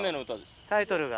タイトルが？